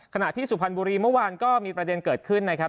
ที่สุพรรณบุรีเมื่อวานก็มีประเด็นเกิดขึ้นนะครับ